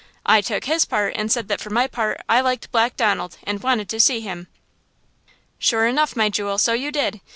I took his part and said that for my part I liked Black Donald and wanted to see him." "Sure enough, my jewel, so you did!